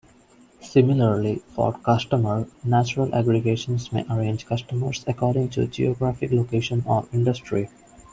Similarly, for "Customer", natural aggregations may arrange customers according to geographic location or industry.